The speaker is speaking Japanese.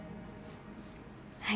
はい。